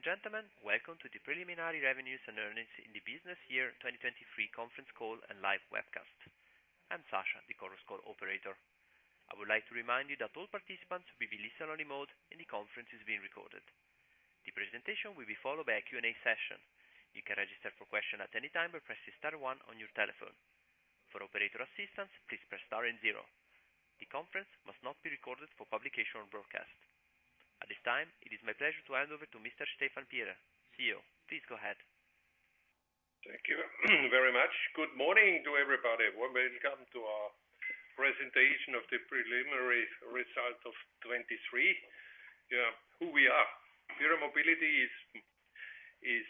Ladies and gentlemen, welcome to the preliminary revenues and earnings in the business year 2023 conference call and live webcast. I'm Sasha, the Chorus Call operator. I would like to remind you that all participants will be in listen-only mode, and the conference is being recorded. The presentation will be followed by a Q&A session. You can register for question at any time by pressing star one on your telephone. For operator assistance, please press star and zero. The conference must not be recorded for publication or broadcast. At this time, it is my pleasure to hand over to Mr. Stefan Pierer, CEO. Please go ahead. Thank you very much. Good morning to everybody. Warm welcome to our presentation of the preliminary results of 2023. Yeah, who we are. PIERER Mobility is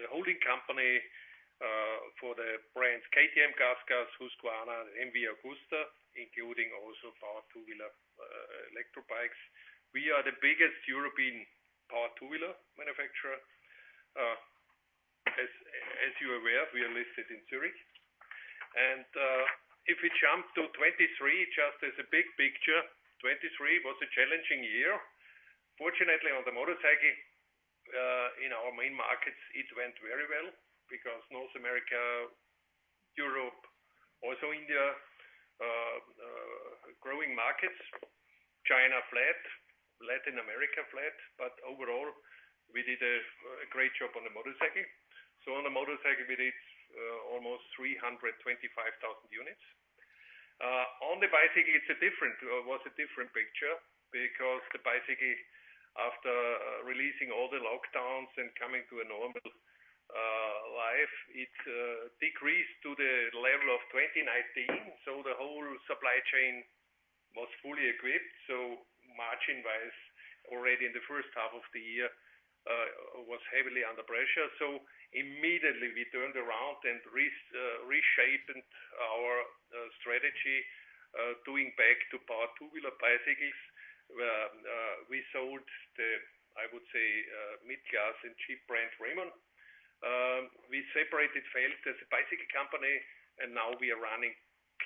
the holding company for the brands KTM, GasGas, Husqvarna, MV Agusta, including also power two-wheeler electric bikes. We are the biggest European power two-wheeler manufacturer. As you are aware, we are listed in Zurich. If we jump to 2023, just as a big picture, 2023 was a challenging year. Fortunately, on the motorcycle in our main markets, it went very well because North America, Europe, also India growing markets, China flat, Latin America flat, but overall, we did a great job on the motorcycling. On the motorcycling, we did almost 325,000 units. On the bicycle, it was a different picture because the bicycle, after releasing all the lockdowns and coming to a normal life, it decreased to the level of 2019. The whole supply chain was fully equipped. Margin-wise, already in the first half of the year, was heavily under pressure. Immediately, we turned around and reshaped our strategy, doing back to power two-wheeler bicycles. We sold the, I would say, mid-class and cheap brand, Raymon. We separated Felt as a bicycle company, and now we are running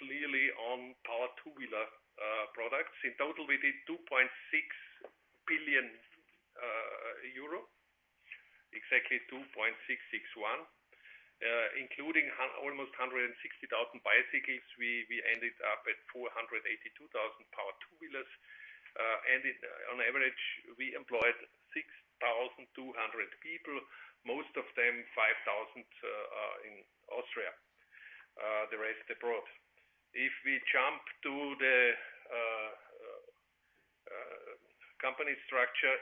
clearly on power two-wheeler products. In total, we did 2.6 billion euro, exactly 2.661 billion, including almost 160,000 bicycles. We ended up at 482,000 power two-wheelers. On average, we employed 6,200 people, most of them 5,000 are in Austria, the rest abroad. If we jump to the company structure,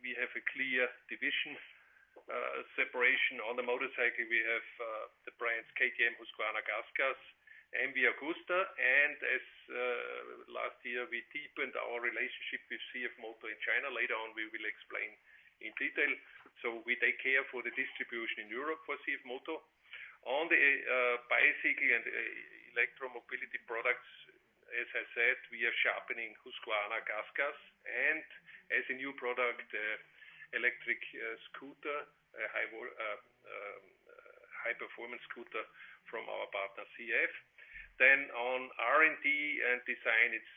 we have a clear division, separation. On the motorcycle, we have the brands KTM, Husqvarna, GasGas, MV Agusta. As last year, we deepened our relationship with CFMOTO in China. Later on, we will explain in detail. We take care for the distribution in Europe for CFMOTO. On the bicycle and electro mobility products, as I said, we are sharpening Husqvarna, GasGas, and as a new product, electric scooter, a high performance scooter from our partner, CF. On R&D and design, it's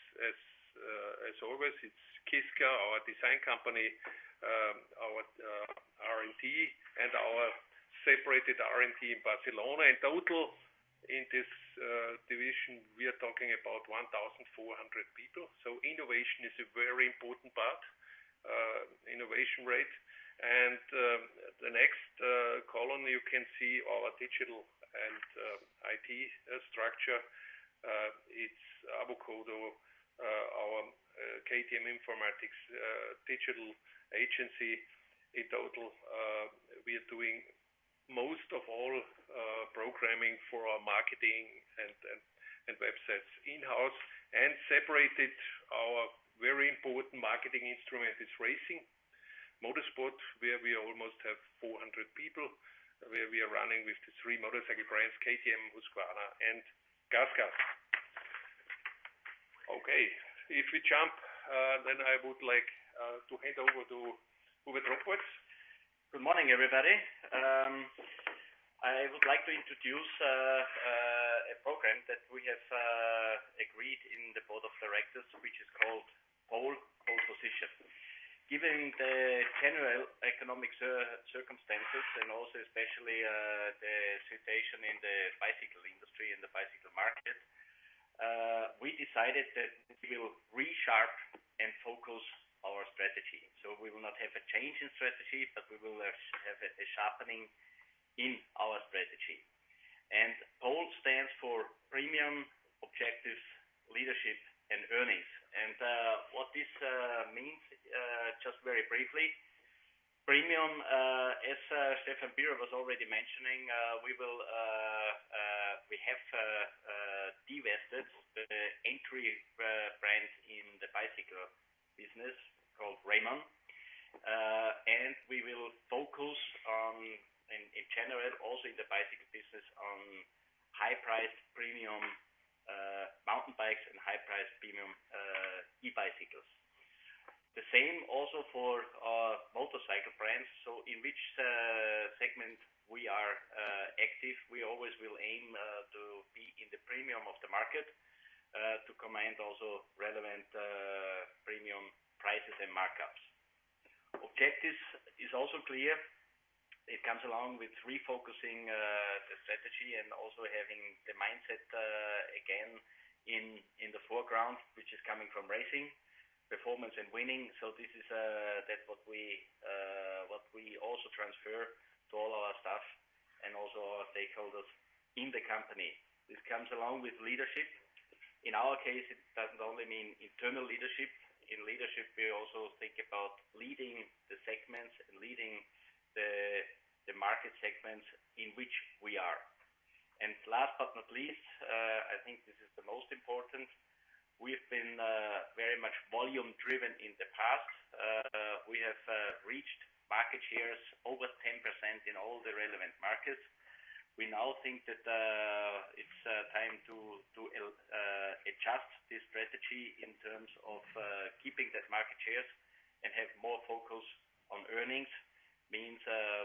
as always, it's KISKA, our design company, our R&D, and our separated R&D in Barcelona. In total, in this division, we are talking about 1,400 people. Innovation is a very important part, innovation rate. The next column, you can see our digital and IT structure. It's Avocodo, our KTM Informatics, digital agency. In total, we are doing most of all, programming for our marketing and websites in-house, and separately our very important marketing instrument is racing, motorsport, where we almost have 400 people, where we are running with the three motorcycle brands, KTM, Husqvarna, and GasGas. Okay. If we jump, then I would like to hand over to Hubert Trunkenpolz. Good morning, everybody. I would like to introduce a program that we have agreed in the board of directors, which is called Pole Position. Given the general economic circumstances, and also especially the situation in the bicycle industry and the bicycle market, we decided that we will resharpen and focus our strategy. We will not have a change in strategy, but we will have a sharpening in our strategy. Pole stands for premium, objectives, leadership, and earnings. What this means, just very briefly, premium, as StefanPIERER was already mentioning, we have divested the entry brands in the bicycle business called Raymon. We will focus on, in general, also in the bicycle business on high-priced premium mountain bikes and high-priced premium e-bicycles. The same also for our motorcycle brands. In which segment we are active, we always will aim to be in the premium of the market. To command also relevant premium prices and markups. Objectives is also clear. It comes along with refocusing the strategy and also having the mindset again in the foreground, which is coming from racing, performance and winning. This is what we also transfer to all our staff and also our stakeholders in the company. This comes along with leadership. In our case, it doesn't only mean internal leadership. In leadership, we also think about leading the segments and leading the market segments in which we are. Last but not least, I think this is the most important. We have been very much volume driven in the past. We have reached market shares over 10% in all the relevant markets. We now think that it's time to adjust this strategy in terms of keeping that market shares and have more focus on earnings. Means,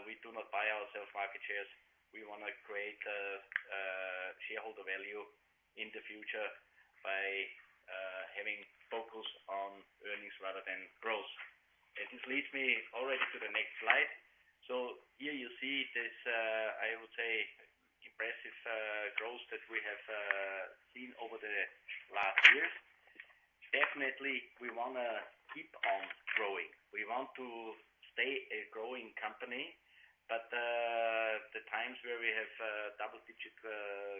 we do not buy ourselves market shares. We wanna create shareholder value in the future by having focus on earnings rather than growth. This leads me already to the next slide. Here you see this, I would say impressive growth that we have seen over the last years. Definitely, we wanna keep on growing. We want to stay a growing company, but the times where we have double-digit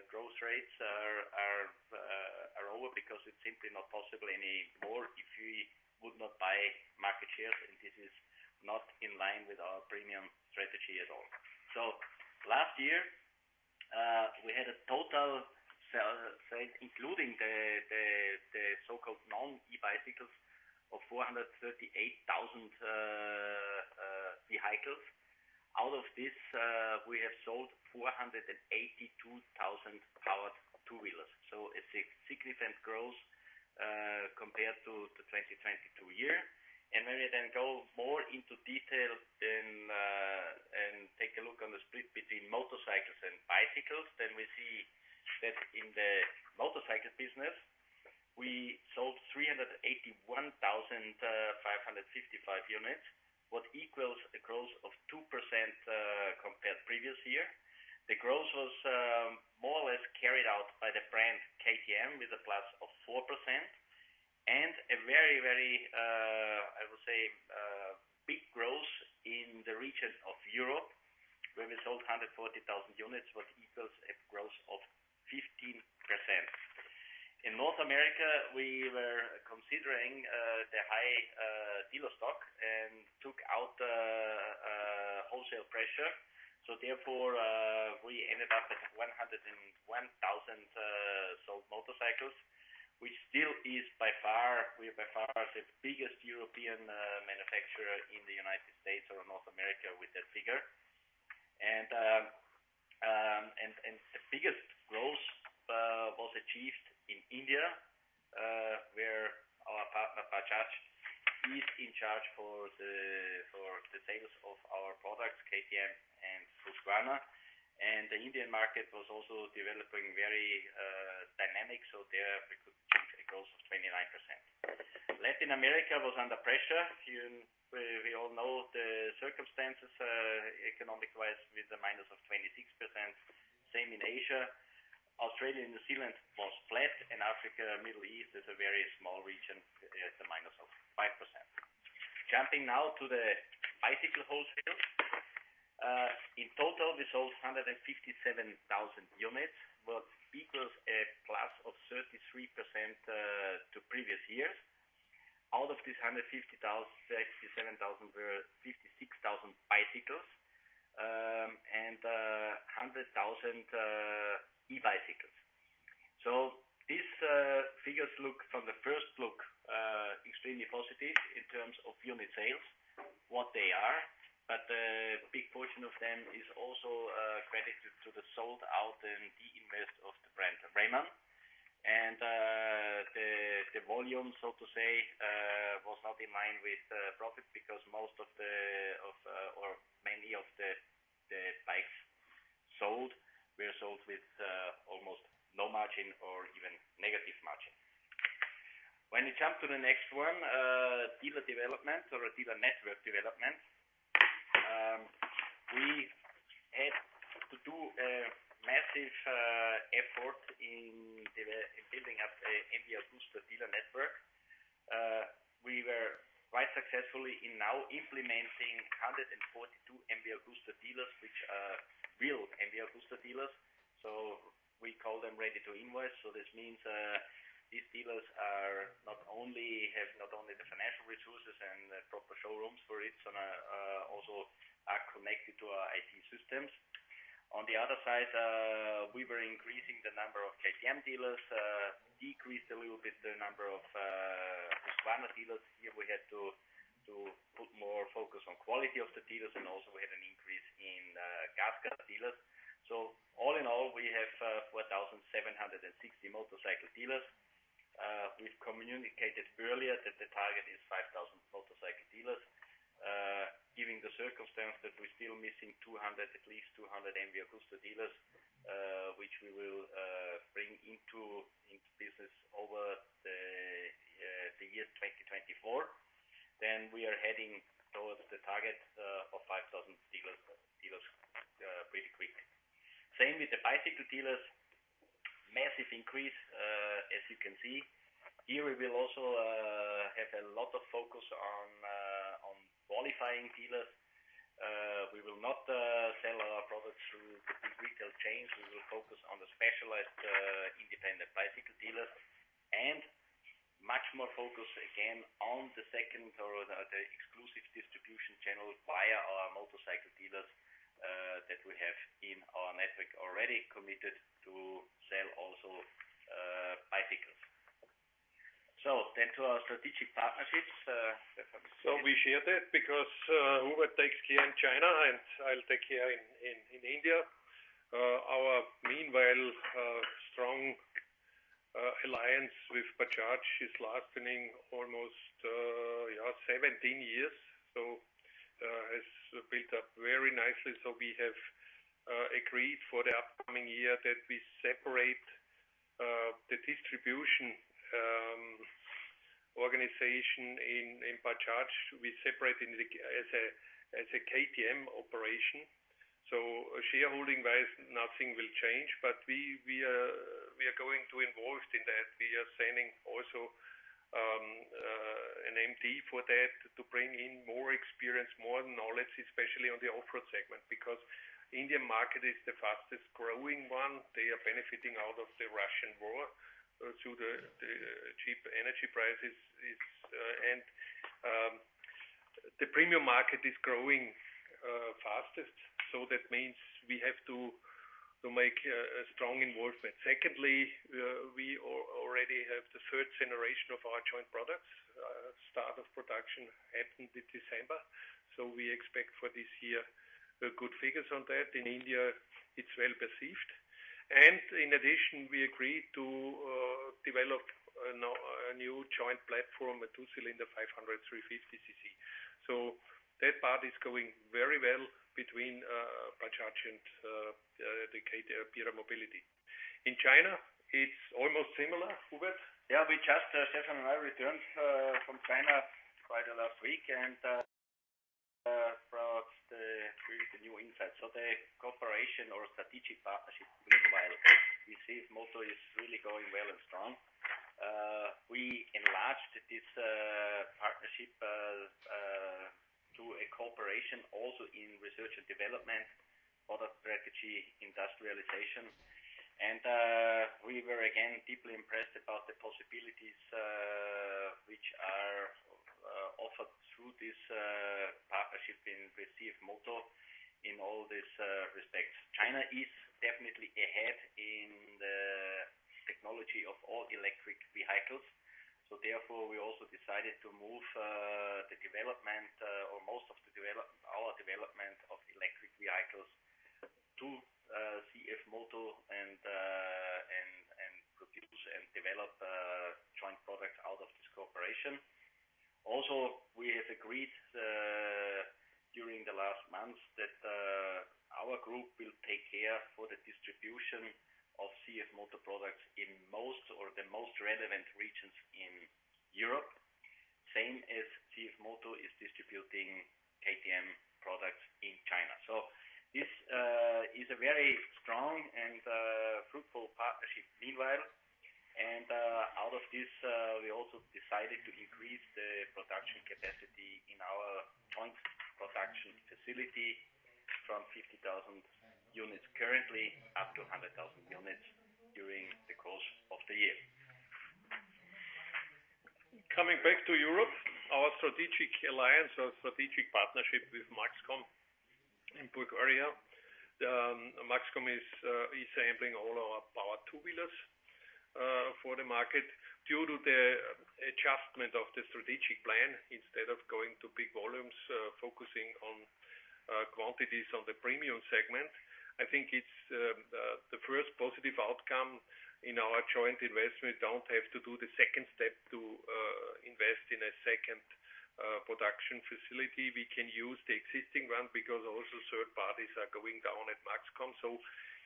growth rates are over because it's simply not possible anymore if we would not buy market shares, and this is not in line with our premium strategy at all. Last year we had a total sale including the so-called non-e-bicycles of 438,000 vehicles. Out of this, we have sold 482,000 powered two-wheelers. It's a significant growth compared to the 2022 year. When we then go more into detail and take a look on the split between motorcycles and bicycles, then we see that in the motorcycle business, we sold 381,555 units, what equals a growth of 2% compared previous year. The growth was more or less carried out by the brand KTM with a plus of 4%. A very, I would say, big growth in the region of Europe, where we sold 140,000 units, what equals a growth of 15%. In North America, we were considering the high dealer stock and took out wholesale pressure. We ended up at 101,000 sold motorcycles, which still is by far. We are by far the biggest European manufacturer in the U.S. or North America with that figure. The biggest growth was achieved in India, where our partner Bajaj is in charge of the sales of our products, KTM and Husqvarna. The Indian market was also developing very dynamically, so there we could achieve a growth of 29%. Latin America was under pressure. We all know the circumstances economic-wise, with -26%. Same in Asia. Australia and New Zealand was flat, and Africa, Middle East is a very small region. They had -5%. Jumping now to the bicycle wholesale. In total, we sold 157,000 units, what equals +33% to previous years. Out of these 157,000, 67,000 were bicycles and 90,000 e-bicycles. These figures look from the first look extremely positive in terms of unit sales, what they are, but a big portion of them is also credited to the sold out and de-invest of the brand, Raymon. The volume, so to say, was not in line with profit because most or many of the bikes sold were sold with almost no margin or even negative margin. When you jump to the next one, dealer development or dealer network development, we had to do a massive effort in building up a MV Agusta dealer network. We were quite successful in now implementing 142 MV Agusta dealers, which are real MV Agusta dealers. So we call them ready to invoice. So this means, these dealers have not only the financial resources and proper showrooms for it and are also connected to our IT systems. On the other side, we were increasing the number of KTM dealers, decreased a little bit the number of Husqvarna dealers. Here we had to put more focus on quality of the dealers, and also we had an increase in GasGas dealers. All in all, we have 4,760 motorcycle dealers. We've communicated earlier that the target is 5,000 motorcycle dealers. Given the circumstance that we're still missing 200 MV, at least 200 MV Agusta dealers, which we will bring into business over the year 2024. We are heading towards the target of 5,000 dealers pretty quick. Same with the bicycle dealers. Massive increase, as you can see. Here we will also have a lot of focus on qualifying dealers. We will not sell our products through the big retail chains. We will focus on the specialized, independent bicycle dealers, and much more focus, again, on the second or the exclusive distribution channel via our motorcycle dealers, that we have in our network already committed to sell also, bicycles. To our strategic partnerships, Stefan. We share that because Hubert takes care in China, and I'll take care in India. Our meanwhile strong alliance with Bajaj is lasting almost 17 years, so has built up very nicely. We have agreed for the upcoming year that we separate the distribution organization in Bajaj. We separate as a KTM operation. Shareholding-wise, nothing will change, but we are going to be involved in that. We are sending also an MD for that to bring in more experience, more knowledge, especially on the off-road segment, because Indian market is the fastest-growing one. They are benefiting out of the Russian war through the cheap energy prices. It's The premium market is growing fastest, so that means we have to make a strong involvement. Secondly, we already have the third generation of our joint products. Start of production happened in December, so we expect for this year good figures on that. In India, it's well perceived. In addition, we agreed to develop a new joint platform, a two cylinder, 500 cc, 350 cc. So that part is going very well between Bajaj and the KTM PIERER Mobility. In China, it's almost similar, Hubert? We just Stefan and I returned from China just last week and brought really new insights. The cooperation or strategic partnership, meanwhile, we see CFMOTO is really going well and strong. We enlarged this partnership to a cooperation also in research and development, product strategy, industrialization. We were again deeply impressed about the possibilities which are offered through this partnership in CFMOTO in all these respects. China is definitely ahead in the technology of all electric vehicles, therefore we also decided to move the development or most of our development of electric vehicles to CFMOTO and produce and develop joint products out of this cooperation. Also, we have agreed during the last months that our group will take care for the distribution of CFMOTO products in most or the most relevant regions in Europe, same as CFMOTO is distributing KTM products in China. This is a very strong and fruitful partnership meanwhile, and out of this, we also decided to increase the production capacity in our joint production facility from 50,000 units currently up to 100,000 units during the course of the year. Coming back to Europe, our strategic alliance or strategic partnership with Maxcom in Bulgaria. Maxcom is sampling all our power two-wheelers for the market. Due to the adjustment of the strategic plan, instead of going to big volumes, focusing on quantities on the premium segment, I think it's the first positive outcome in our joint investment. Don't have to do the second step to invest in a second production facility. We can use the existing one because also third parties are going down at Maxcom.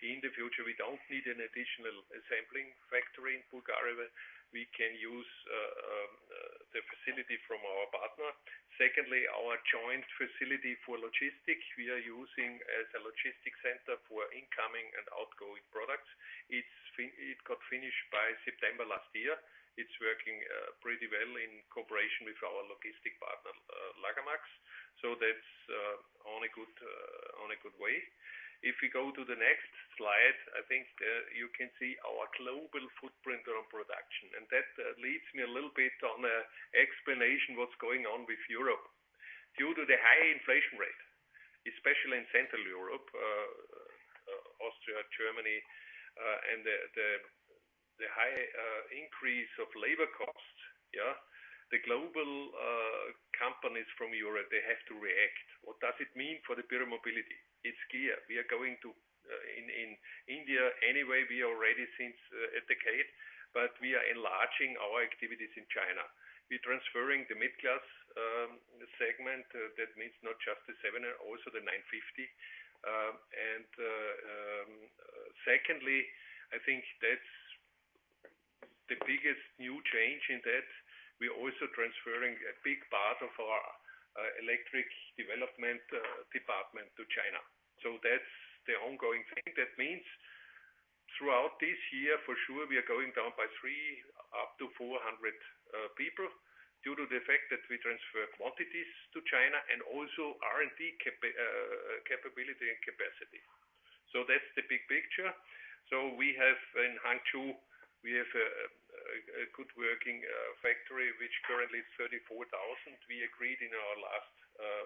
In the future, we don't need an additional sampling factory in Bulgaria. We can use the facility from our partner. Secondly, our joint facility for logistics, we are using as a logistics center for incoming and outgoing products. It got finished by September last year. It's working pretty well in cooperation with our logistic partner, Lagermax. That's on a good way. If we go to the next slide, I think you can see our global footprint on production. That leads me a little bit to an explanation what's going on with Europe. Due to the high inflation rate, especially in Central Europe, Austria, Germany, and the high increase of labor costs. The global companies from Europe, they have to react. What does it mean for thePIERER Mobility? It's clear, we are going to India anyway, we already since a decade, but we are enlarging our activities in China. We're transferring the mid-class segment. That means not just the seven, also the 950. Secondly, I think that's the biggest new change in that we're also transferring a big part of our electric development department to China. That's the ongoing thing. That means, throughout this year, for sure, we are going down by 300 people-400 people due to the fact that we transfer quantities to China and also R&D capability and capacity. That's the big picture. We have, in Hangzhou, a good working factory, which currently is 34,000. We agreed in our last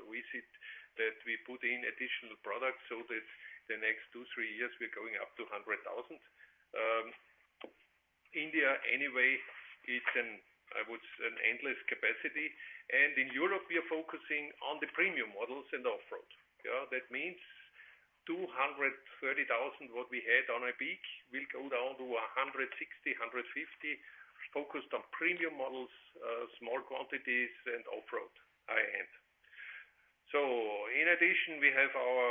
visit that we put in additional products, so that the next two years-three years we're going up to 100,000. India, anyway, it's an, I would say, an endless capacity. In Europe, we are focusing on the premium models and off-road. Yeah. That means 230,000, what we had on our peak, will go down to 160, 150, focused on premium models, small quantities and off-road, high-end. In addition, we have our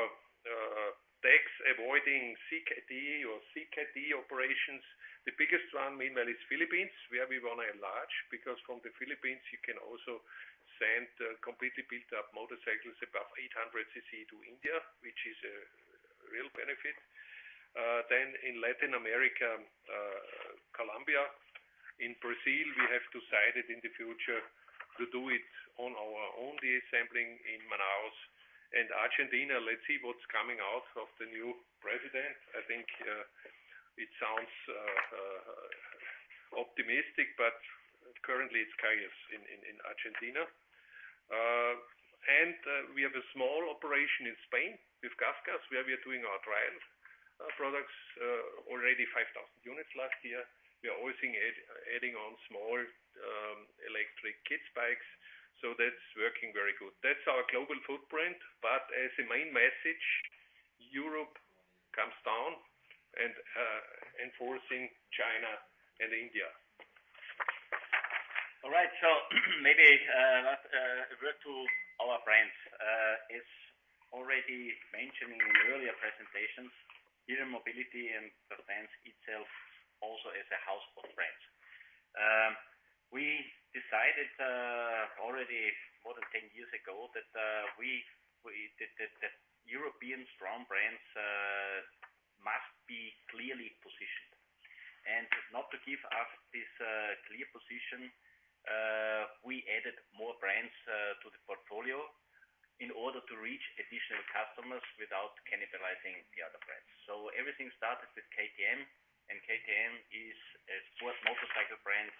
tax avoiding CKD operations. The biggest one meanwhile is Philippines, where we want to enlarge, because from the Philippines, you can also send completely built up motorcycles above 800 cc to India, which is a real benefit. Then in Latin America, Colombia. In Brazil, we have decided in the future to do it on our own, the assembling in Manaus. Argentina, let's see what's coming out of the new president. I think it sounds optimistic, but currently it's chaos in Argentina. We have a small operation in Spain with GasGas, where we are doing our trial products, already 5,000 units last year. We are always adding small electric kids bikes, so that's working very good. That's our global footprint, but as a main message, Europe comes down and increasing China and India. All right. Maybe last word to our brands. As already mentioned in the earlier presentations, PIERER Mobility and KTM itself also is a house of brands. We decided already more than 10 years ago that European strong brands must be clearly positioned. Not to give us this clear position, we added more brands to the portfolio in order to reach additional customers without cannibalizing the other brands. Everything started with KTM, and KTM is a sports motorcycle brand,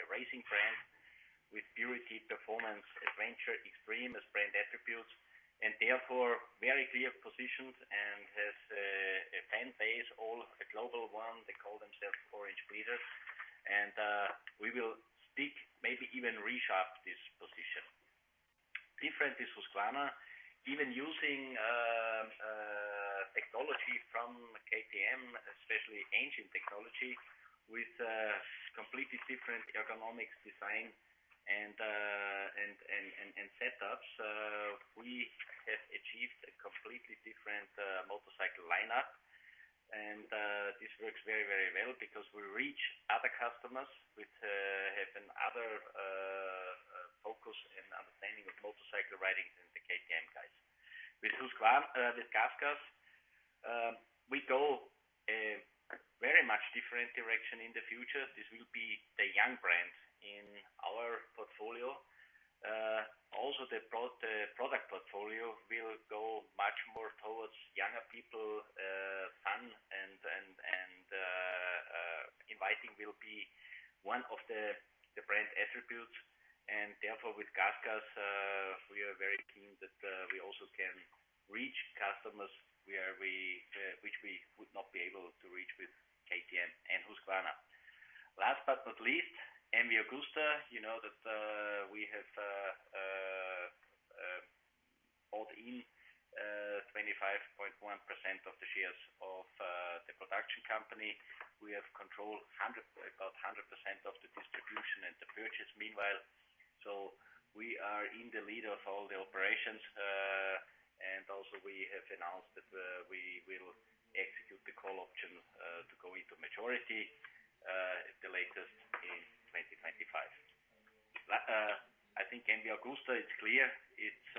a racing brand with purity, performance, adventure, extreme as brand attributes, and therefore very clear positioned and has a fan base, a global one. They call themselves Orange Bleeders. We will stick, maybe even resharp this position. Different is Husqvarna. Even using technology from KTM, especially engine technology with completely different ergonomic design and setups, we have achieved a completely different motorcycle lineup. This works very, very well because we reach other customers which have another focus and understanding of motorcycle riding than the KTM guys. With GasGas, we go a very much different direction in the future. This will be the young brand in our portfolio. Also the product portfolio will go much more towards younger people. Fun and inviting will be one of the brand attributes. Therefore, with GasGas, we are very keen that we also can reach customers which we would not be able to reach with KTM and Husqvarna. Last but not least, MV Agusta. You know that we have bought in 25.1% of the shares of the production company. We have control about 100% of the distribution and the purchase meanwhile. We are in the lead of all the operations. We have announced that we will execute the call option to go into majority the latest in 2025. I think MV Agusta is clear. It's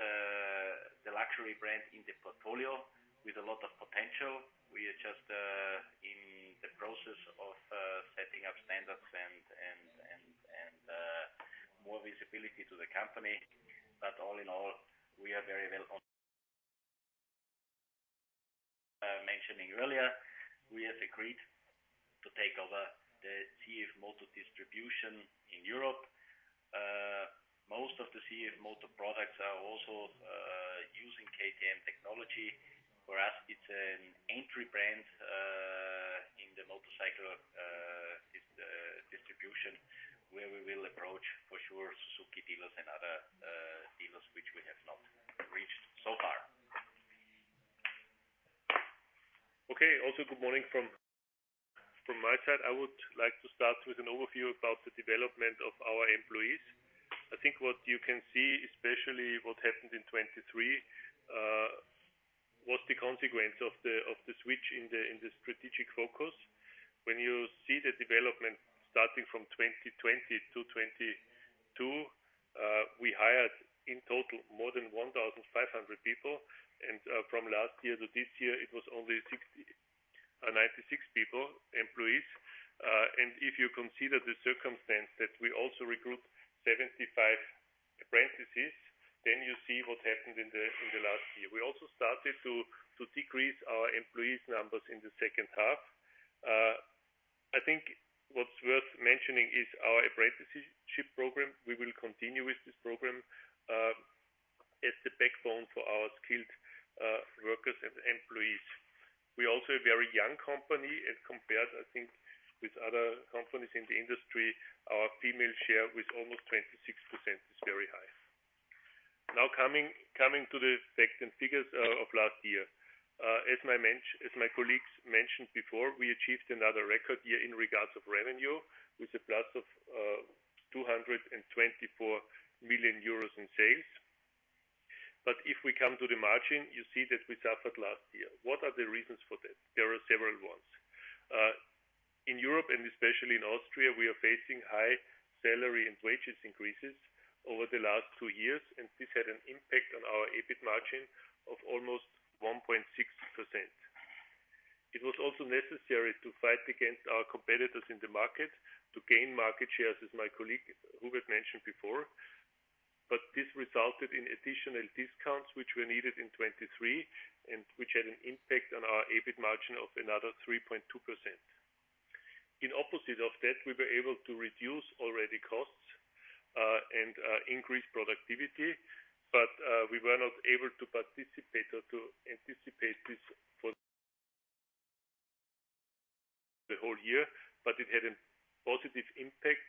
the luxury brand in the portfolio with a lot of potential. We are just in the process of setting up standards and more visibility to the company. All in all, as mentioned earlier, we have agreed to take over the CFMOTO distribution in Europe. CFMOTO products are also using KTM technology. For us, it's an entry brand in the motorcycle distribution, where we will approach, for sure, Suzuki dealers and other dealers which we have not reached so far. Okay. Also good morning from my side. I would like to start with an overview about the development of our employees. I think what you can see, especially what happened in 2023, was the consequence of the switch in the strategic focus. When you see the development starting from 2020 to 2022, we hired in total more than 1,500 people, and from last year to this year, it was only 96 people, employees. And if you consider the circumstance that we also recruit 75 apprentices, then you see what happened in the last year. We also started to decrease our employees numbers in the second half. I think what's worth mentioning is our apprenticeship program. We will continue with this program as the backbone for our skilled workers and employees. We're also a very young company as compared, I think, with other companies in the industry. Our female share with almost 26% is very high. Now coming to the facts and figures of last year. As my colleagues mentioned before, we achieved another record year in regards of revenue with a plus of 224 million euros in sales. If we come to the margin, you see that we suffered last year. What are the reasons for that? There are several ones. In Europe and especially in Austria, we are facing high salary and wages increases over the last two years, and this had an impact on our EBIT margin of almost 1.6%. It was also necessary to fight against our competitors in the market to gain market shares, as my colleague Hubert mentioned before. This resulted in additional discounts, which were needed in 2023, and which had an impact on our EBIT margin of another 3.2%. In opposite of that, we were able to reduce already costs and increase productivity, but we were not able to participate or to anticipate this for the whole year, but it had a positive impact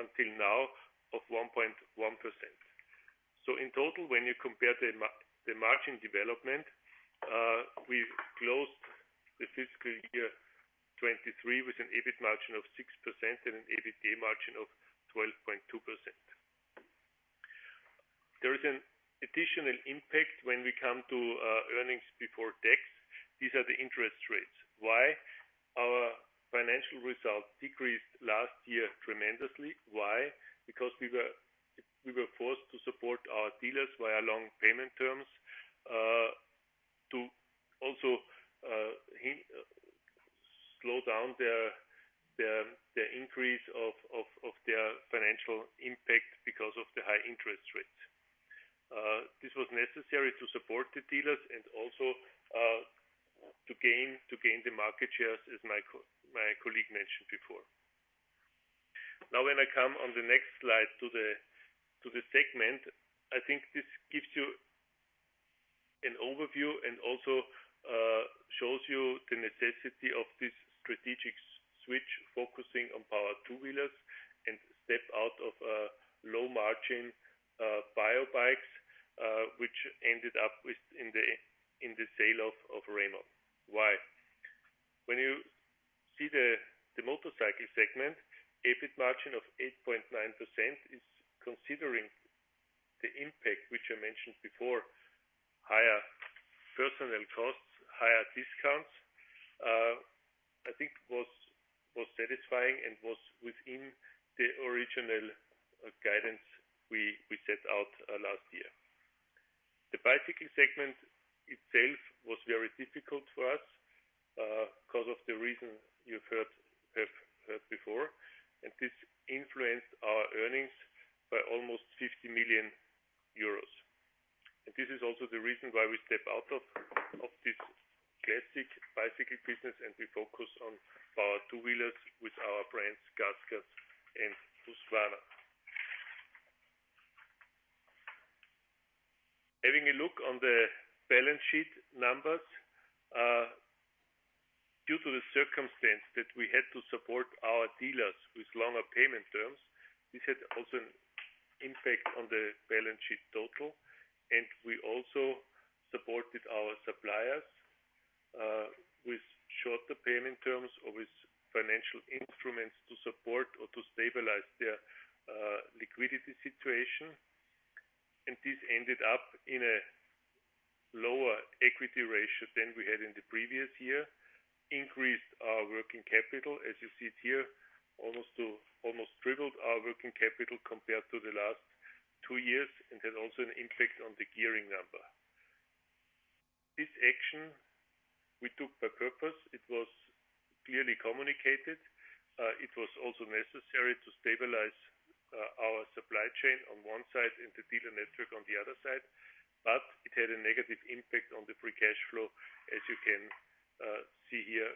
until now of 1.1%. In total, when you compare the margin development, we've closed the fiscal year 2023 with an EBIT margin of 6% and an EBITA margin of 12.2%. There is an additional impact when we come to earnings before tax. These are the interest rates. Why? Our financial results decreased last year tremendously. Why? Because we were forced to support our dealers via long payment terms to also slow down their increase of their financial impact because of the high interest rates. This was necessary to support the dealers and also to gain the market shares, as my colleague mentioned before. Now, when I come on the next slide to the segment, I think this gives you an overview and also shows you the necessity of this strategic switch, focusing on power two-wheelers and step out of low-margin e-bikes, which ended up with the sale of Raymon. Why? When you see the motorcycle segment, EBIT margin of 8.9% is considering the impact, which I mentioned before, higher personnel costs, higher discounts, I think was satisfying and was within the original guidance we set out last year. The bicycle segment itself was very difficult for us because of the reason you've heard before, and this influenced our earnings by almost 50 million euros. This is also the reason why we step out of this classic bicycle business, and we focus on power two-wheelers with our brands GasGas and Husqvarna. Having a look on the balance sheet numbers, due to the circumstance that we had to support our dealers with longer payment terms, this had also an impact on the balance sheet total. We also supported our suppliers with shorter payment terms or with financial instruments to support or to stabilize their liquidity situation. This ended up in a lower equity ratio than we had in the previous year, increased our working capital, as you see it here, almost tripled our working capital compared to the last two years, and had also an impact on the gearing number. This action we took by purpose, it was clearly communicated. It was also necessary to stabilize our supply chain on one side and the dealer network on the other side, but it had a negative impact on the free cash flow, as you can see here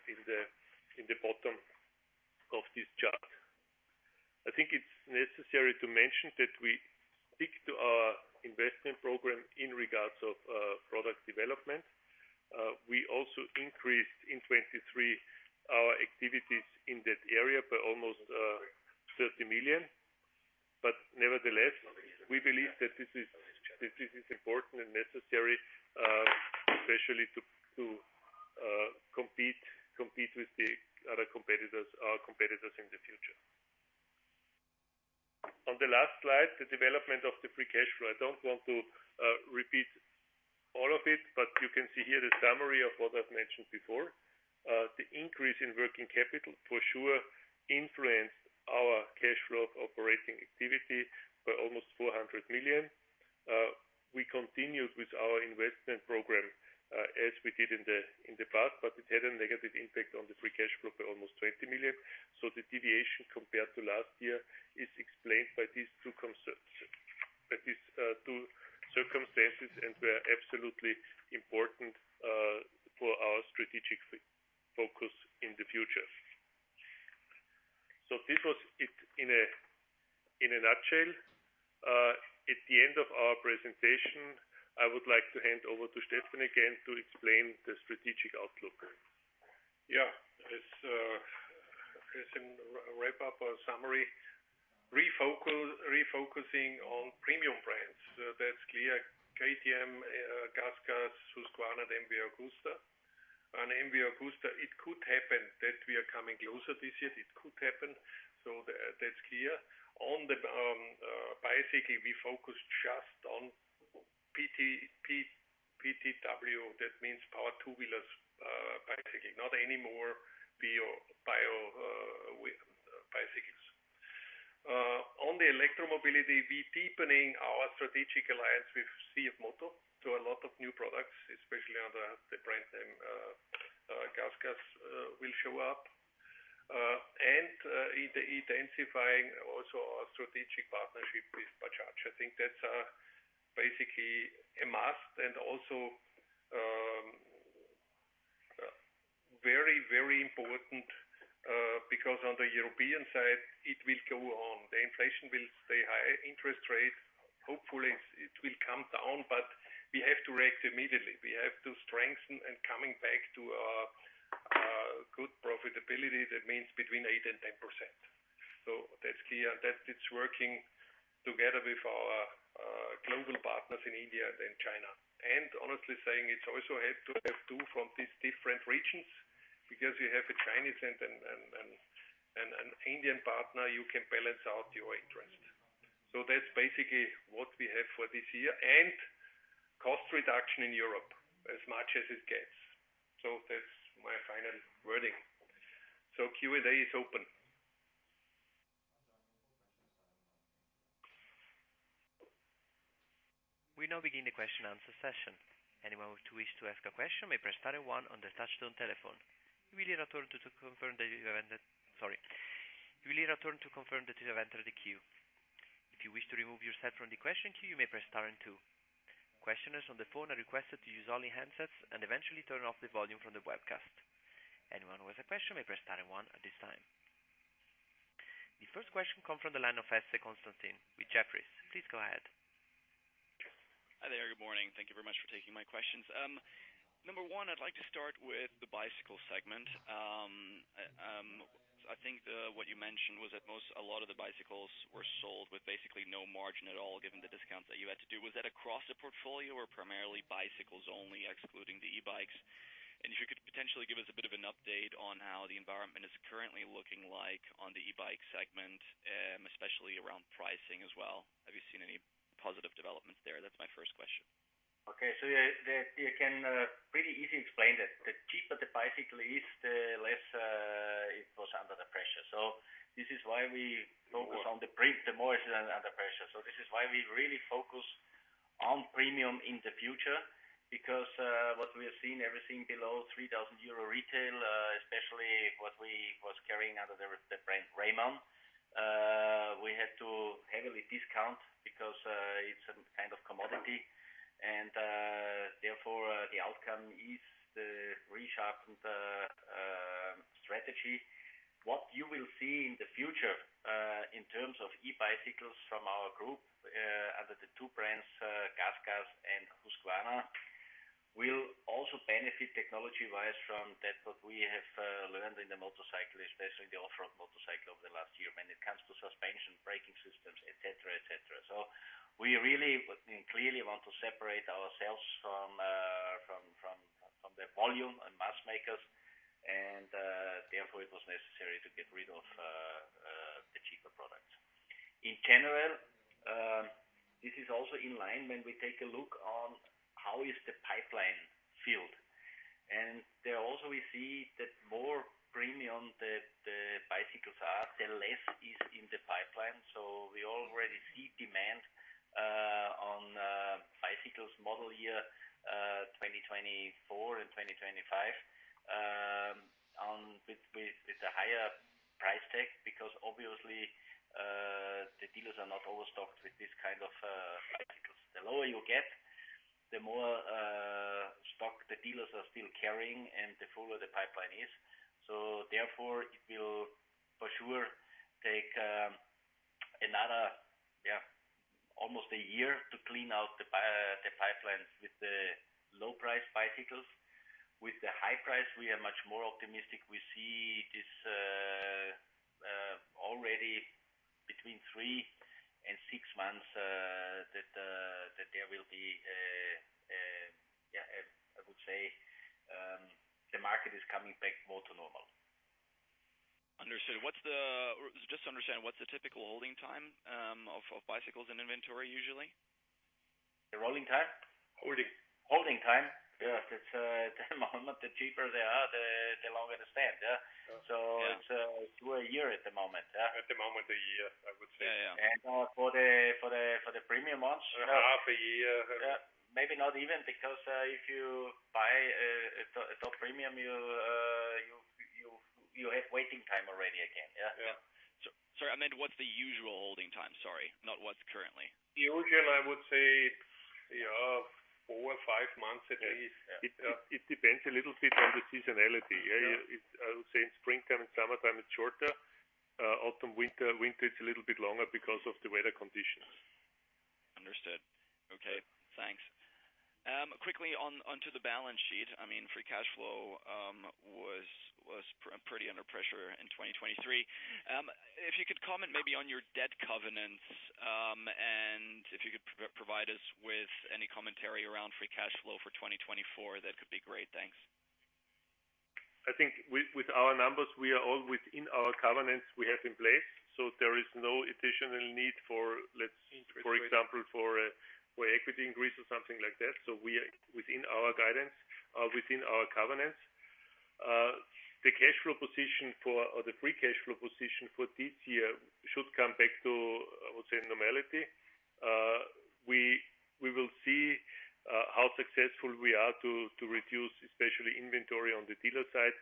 in the bottom of this chart. I think it's necessary to mention that we stick to our investment program in regards of product development. We also increased in 2023 our activities in that area by almost 30 million. Nevertheless, we believe that this is important and necessary, especially to compete with the other competitors, our competitors in the future. On the last slide, the development of the free cash flow. I don't want to repeat all of it, but you can see here the summary of what I've mentioned before. The increase in working capital for sure influenced our cash flow of operating activity by almost 400 million. We continued with our investment program, as we did in the past, but it had a negative impact on the free cash flow by almost 20 million. The deviation compared to last year is explained by these two concerns, by these two circumstances, and they are absolutely important for our strategic focus in the future. This was it in a nutshell. At the end of our presentation, I would like to hand over to Stefan again to explain the strategic outlook. In wrapping up our summary, refocusing on premium brands, that's clear. KTM, GasGas, Husqvarna, and MV Agusta. On MV Agusta, it could happen that we are coming closer this year. It could happen, so that's clear. On the bicycle, we focus just on PTW. That means power two wheelers, bicycle. Not anymore e-bicycles. On the electromobility, we're deepening our strategic alliance with CFMOTO to a lot of new products, especially under the brand name, GasGas, will show up. In intensifying also our strategic partnership with Bajaj. I think that's basically a must and also very important because on the European side, it will go on. The inflation will stay high. Interest rates, hopefully it will come down, but we have to react immediately. We have to strengthen and coming back to a good profitability. That means between 8%-10%. That's clear. That it's working together with our global partners in India and China. Honestly saying, it's also help to have two from these different regions, because you have a Chinese and an Indian partner, you can balance out your interest. That's basically what we have for this year, and cost reduction in Europe as much as it gets. That's my final wording. Q&A is open. We now begin the question-and- answer session. Anyone who wishes to ask a question may press star one on their touchtone telephone. You will hear a tone to confirm that you have entered the queue. If you wish to remove yourself from the question queue, you may press star two. Questioners on the phone are requested to use only handsets and eventually turn off the volume from the webcast. Anyone who has a question may press star one at this time. The first question comes from the line of Constantin Hesse with Jefferies. Please go ahead. Hi there. Good morning. Thank you very much for taking my questions. Number one, I'd like to start with the bicycle segment. I think what you mentioned was that most, a lot of the bicycles were sold with basically no margin at all, given the discounts that you had to do. Was that across the portfolio or primarily bicycles only, excluding the e-bikes? If you could potentially give us a bit of an update on how the environment is currently looking like on the e-bike segment, especially around pricing as well. Have you seen any positive developments there? That's my first question. Okay. Yeah, you can pretty easy explain that the cheaper the bicycle is, the less it was under the pressure. The more it's under pressure. This is why we really focus on premium in the future, because what we have seen, everything below 3,000 euro retail, especially what we was carrying under the brand Raymon, we had to heavily discount because it's a kind of commodity and therefore the outcome is the resharpened strategy. What you will see in the future, in terms of e-bicycles from our group, under the two brands, GasGas and Husqvarna, will also benefit technology-wise from that what we have learned in the motorcycle, especially the off-road motorcycle over the last year when it comes to suspension, braking systems, et cetera, et cetera. We really clearly want to separate ourselves from the volume and mass makers, and therefore, it was necessary to get rid of the cheaper products. In general, this is also in line when we take a look on how is the pipeline filled. There also we see that more premium the bicycles are, the less is in the pipeline. We already see demand on bicycles model year 2024 and 2025 with a higher price tag, because obviously Are not overstocked with this kind of bicycles. The lower you get, the more stock the dealers are still carrying and the fuller the pipeline is. Therefore it will for sure take another almost a year to clean out the pipelines with the low price bicycles. With the high price, we are much more optimistic. We see this already between three months and six months that there will be I would say the market is coming back more to normal. Understood. Just to understand, what's the typical holding time of bicycles in inventory usually? The rolling time? Holding. Holding time? Yes. It's at the moment, the cheaper they are, the longer they stand, yeah. Sure. Yeah. It's two a year at the moment, yeah. At the moment, a year, I would say. Yeah, yeah. for the premium ones. Half a year. Yeah. Maybe not even because if you buy a top premium, you have waiting time already again, yeah. Yeah. Sorry, I meant what's the usual holding time? Sorry, not what's currently. Usually, I would say, yeah, four or five months at least. Yeah. It depends a little bit on the seasonality, yeah. Yeah. I would say in springtime and summertime, it's shorter. Autumn, winter it's a little bit longer because of the weather conditions. Understood. Okay. Thanks. Quickly onto the balance sheet. I mean, free cash flow was pretty under pressure in 2023. If you could comment maybe on your debt covenants, and if you could provide us with any commentary around free cash flow for 2024, that could be great. Thanks. I think with our numbers, we are all within our covenants we have in place. There is no additional need for example, for equity increase or something like that. We are within our guidance, within our covenants. The cash flow position or the free cash flow position for this year should come back to, I would say, normality. We will see how successful we are to reduce especially inventory on the dealer side,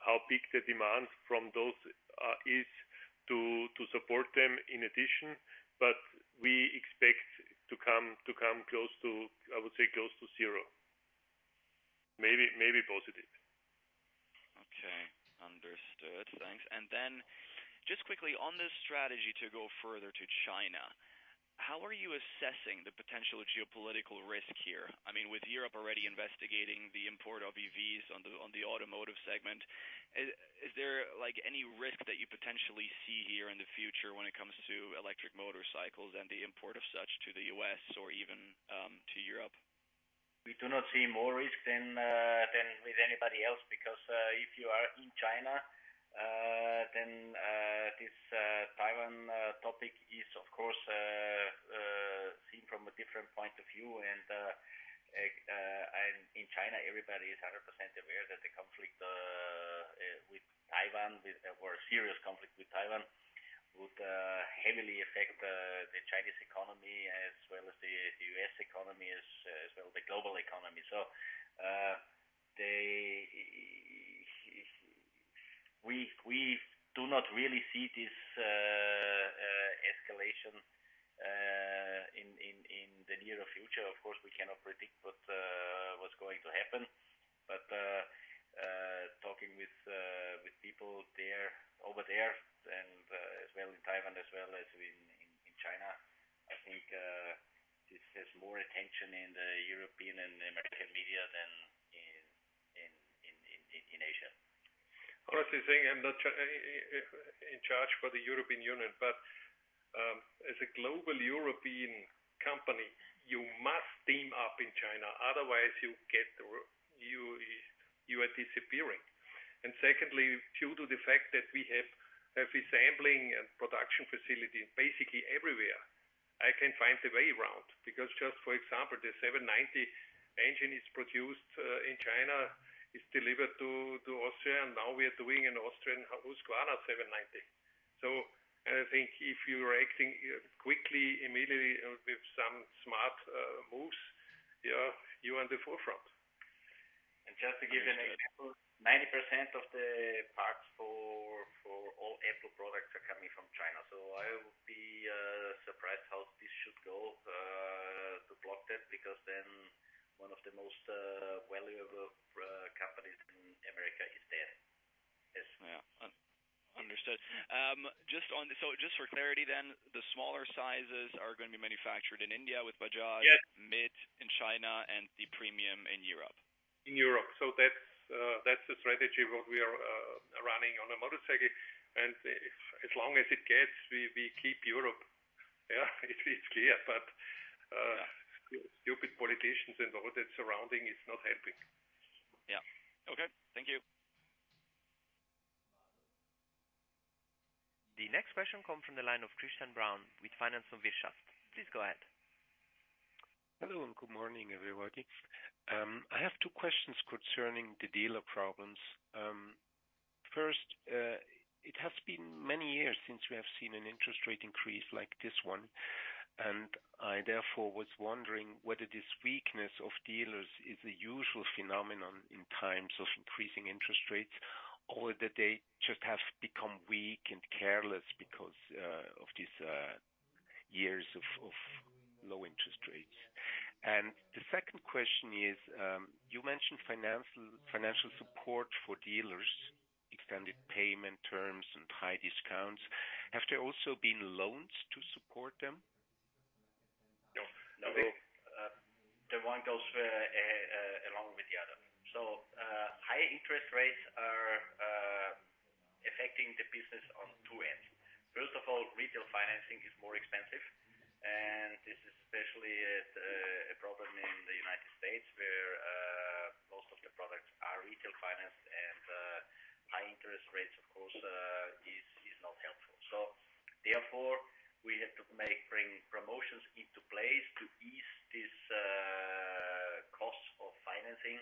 how big the demand from those is to support them in addition. We expect to come close to, I would say, close to zero. Maybe positive. Okay. Understood. Thanks. Just quickly on this strategy to go further to China, how are you assessing the potential geopolitical risk here? I mean, with Europe already investigating the import of EVs on the automotive segment, is there, like, any risk that you potentially see here in the future when it comes to electric motorcycles and the import of such to the U.S. or even to Europe? We do not see more risk than with anybody else, because if you are in China, then this Taiwan topic is of course seen from a different point of view. In China, everybody is 100% aware that the conflict with Taiwan or a serious conflict with Taiwan would heavily affect the Chinese economy as well as the U.S. economy, as well the global economy. We do not really see this escalation in the near future. Of course, we cannot predict what's going to happen. Talking with people there over there and as well in Taiwan as well as in Asia. Honestly saying, I'm not in charge for the European Union, but as a global European company, you must team up in China, otherwise you are disappearing. Secondly, due to the fact that we have assembling and production facilities basically everywhere, I can find a way around because just for example, the 790 engine is produced in China, is delivered to Austria, and now we are doing an Austrian Husqvarna 790. I think if you are acting quickly, immediately with some smart moves, yeah, you're on the forefront. Just to give you an example, 90% of the parts for all Apple products are coming from China. I would be surprised how this should go to block that, because then one of the most valuable companies in America is dead. Yes. Yeah. Understood. Just for clarity then, the smaller sizes are gonna be manufactured in India with Bajaj- Yes. Made in China and the premium in Europe. In Europe. That's the strategy what we are running on a motorcycle. As long as it gets, we keep Europe. Yeah, it's clear, but stupid politicians and all that surrounding is not helping. Yeah. Okay. Thank you. The next question comes from the line of Christian Braun with Finanz und Wirtschaft. Please go ahead. Hello, and good morning, everybody. I have two questions concerning the dealer problems. First, it has been many years since we have seen an interest rate increase like this one. I therefore was wondering whether this weakness of dealers is a usual phenomenon in times of increasing interest rates, or that they just have become weak and careless because of these years of low interest rates. The second question is, you mentioned financial support for dealers, extended payment terms and high discounts. Have there also been loans to support them? No. The one goes along with the other. High interest rates are affecting the business on two ends. First of all, retail financing is more expensive, and this is especially a problem in the United States, where most of the products are retail financed. High interest rates, of course, is not helpful. Therefore, we have to bring promotions into place to ease this cost of financing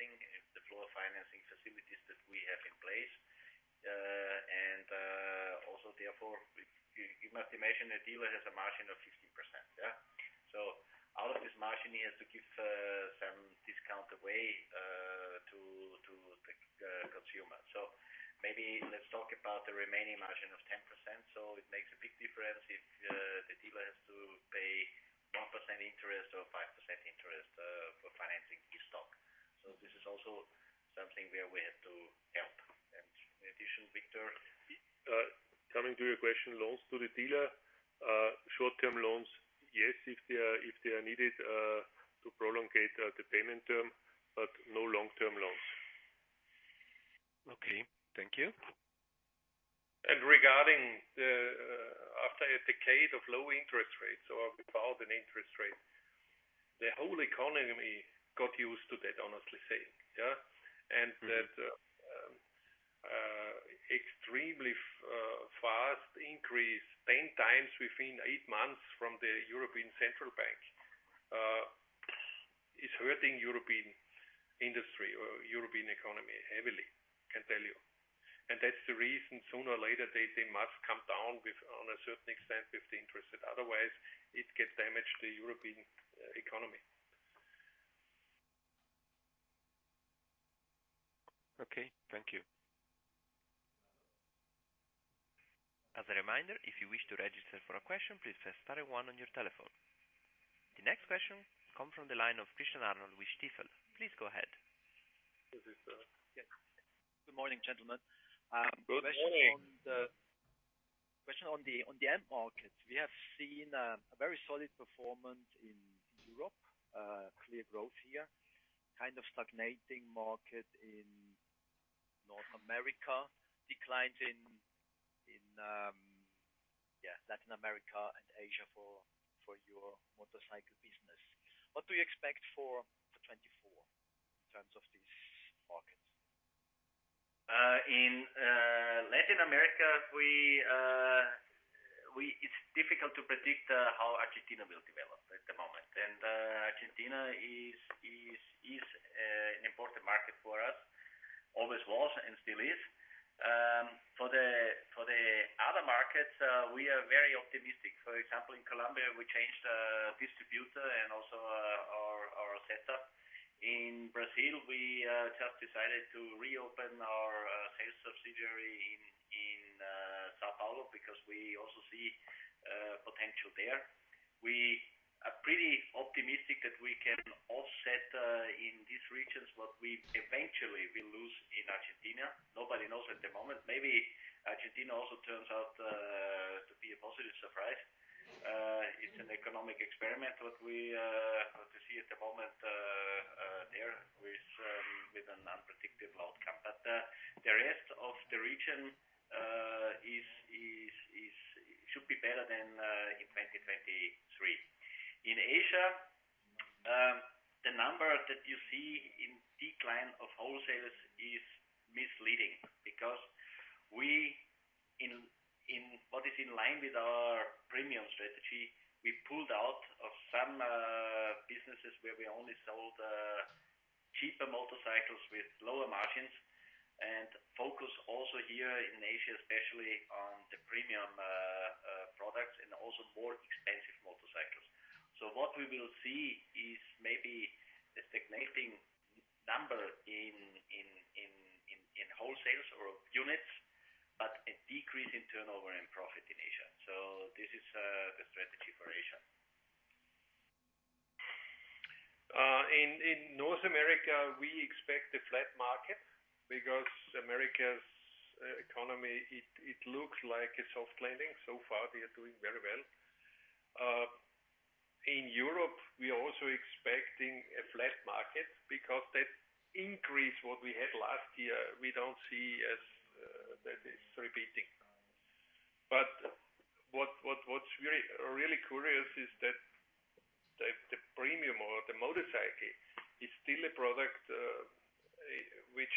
and give the consumers more appetite for buying motorcycles. On the other side, high interest is also, of course, causing a problem in dealer financing and the floorplan financing facilities that we have in place. You must imagine a dealer has a margin of 15%. Out of this margin, he has to give some discount away to the consumer. Maybe let's talk about the remaining margin of 10%. It makes a big difference if the dealer has to pay 1% interest or 5% interest for financing his stock. This is also something where we have to help. In addition, Viktor, coming to your question, loans to the dealer, short-term loans, yes, if they are needed to prolongate the payment term, but no long-term loans. Okay. Thank you. After a decade of low interest rates or without an interest rate, the whole economy got used to that, honestly saying, yeah. That extremely fast increase 10 times within eight months from the European Central Bank is hurting European industry or European economy heavily, I can tell you. That's the reason sooner or later they must come down with on a certain extent with the interest rate, otherwise it gets damaged, the European economy. Okay. Thank you. The next question comes from the line of Christian Arnold with Stifel. Please go ahead. This is, yes. Good morning, gentlemen. Good morning. Question on the end markets. We have seen a very solid performance in Europe, clear growth here, kind of stagnating market in North America, declines in Latin America and Asia for your motorcycle business. What do you expect for 2024 in terms of these markets? In Latin America, it's difficult to predict how Argentina will develop at the moment. Argentina is an important market for us. Always was and still is. For the other markets, we are very optimistic. For example, in Colombia, we changed distributor and also our setup. In Brazil, we just decided to reopen our sales subsidiary in São Paulo because we also see potential there. We are pretty optimistic that we can offset in these regions what we eventually will lose in Argentina. Nobody knows at the moment. Maybe Argentina also turns out to be a positive surprise. It's an economic experiment, what you see at the moment there with an unpredictable outcome. The rest of the region should be better than in 2023. In Asia, the number that you see in decline of wholesalers is misleading because what is in line with our premium strategy, we pulled out of some businesses where we only sold cheaper motorcycles with lower margins and focus also here in Asia, especially on the premium products and also more expensive motorcycles. What we will see is maybe a stagnating number in wholesales or units, but a decrease in turnover and profit in Asia. This is the strategy for Asia. In North America, we expect a flat market because America's economy looks like a soft landing. So far, they are doing very well. In Europe, we are also expecting a flat market because that increase what we had last year, we don't see as that is repeating. What's very really curious is that the premium or the motorcycle is still a product.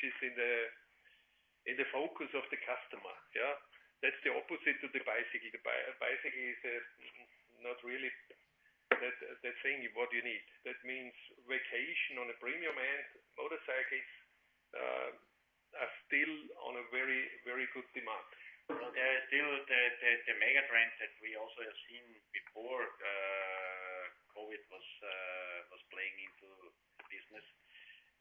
is in the focus of the customer, yeah. That's the opposite to the bicycle. The bicycle is not really that thing what you need. That means vacation on a premium end, motorcycles are still in very good demand. Well, there are still the megatrends that we also have seen before COVID was playing into the business.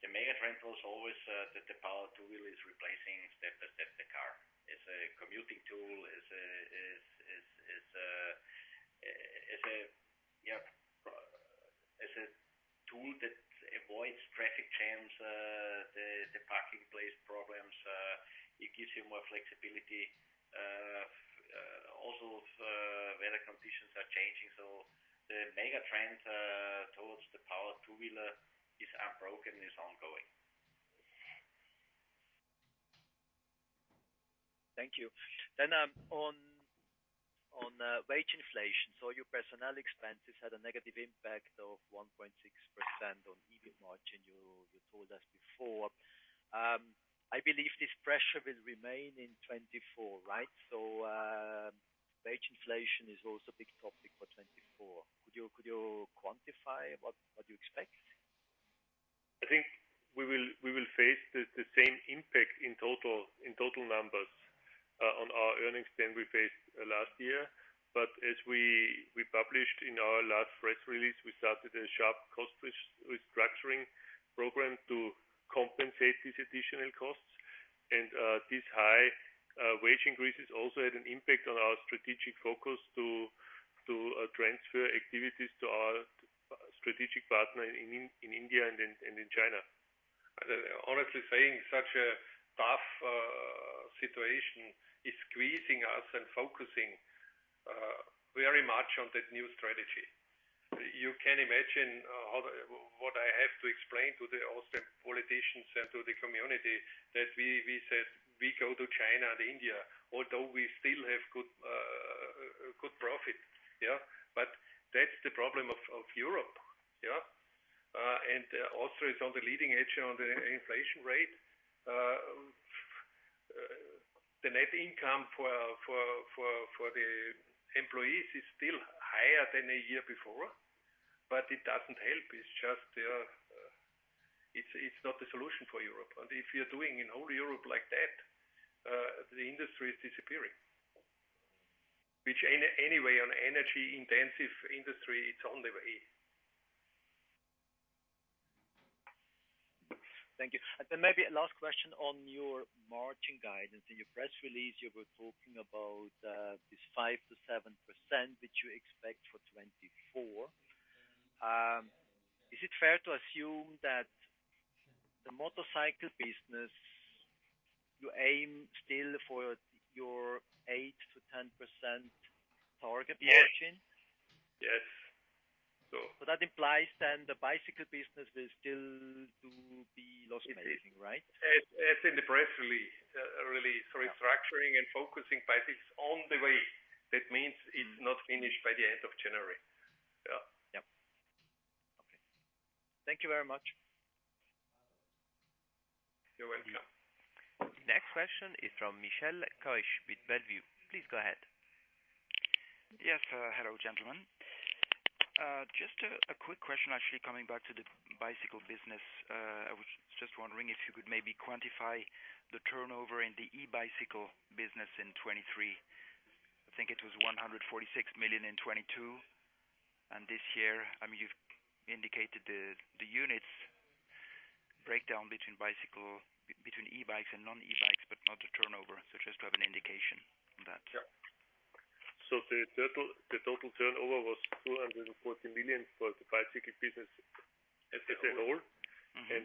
The megatrend was always that the powered two-wheeler is replacing step-by-step the car. It's a commuting tool. It's a, yeah, it's a tool that avoids traffic jams, the parking space problems. It gives you more flexibility. Also, weather conditions are changing, so the megatrend towards the powered two-wheeler is unbroken, is ongoing. Thank you. On wage inflation. Your personnel expenses had a negative impact of 1.6% on EBIT margin, you told us before. I believe this pressure will remain in 2024, right? Wage inflation is also a big topic for 2024. Could you quantify what you expect? I think we will face the same impact in total numbers on our earnings than we faced last year. But as we published in our last press release, we started a sharp cost restructuring program to compensate these additional costs. These high wage increases also had an impact on our strategic focus to transfer activities to our strategic partner in India and in China. Honestly saying such a tough situation is squeezing us and focusing very much on that new strategy. You can imagine what I have to explain to the Austrian politicians and to the community that we said we go to China and India, although we still have good profit. Yeah. That's the problem of Europe. Yeah. Austria is on the leading edge of the inflation rate. The net income for the employees is still higher than a year before, but it doesn't help. It's just, it's not the solution for Europe. If you're doing it in all Europe like that, the industry is disappearing. Anyway, the energy-intensive industry is on the way. Thank you. Maybe a last question on your margin guidance. In your press release, you were talking about this 5%-7%, which you expect for 2024. Is it fair to assume that the motorcycle business, you aim still for your 8%-10% target margin? Yes. That implies the bicycle business will still do the loss making, right? It is. As in the press release. Restructuring and focusing. This is on the way. That means it's not finished by the end of January. Yeah. Yep. Okay. Thank you very much. You're welcome. Next question is from Michael Kois with Bellevue. Please go ahead. Yes. Hello, gentlemen. Just a quick question actually coming back to the bicycle business. I was just wondering if you could maybe quantify the turnover in the e-bicycle business in 2023. I think it was 146 million in 2022. This year, I mean, you've indicated the units breakdown between e-bikes and non-e-bikes, but not the turnover. Just to have an indication on that. The total turnover was 214 million for the bicycle business as a whole. Mm-hmm.